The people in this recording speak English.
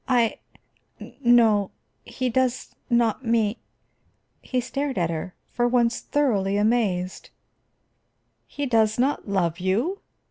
"I no he does not me " He stared at her, for once thoroughly amazed. "He does not love you?"